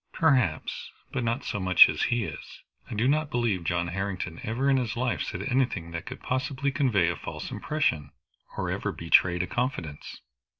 "Perhaps, but not so much as he is. I do not believe John Harrington ever in his life said anything that could possibly convey a false impression, or ever betrayed a confidence."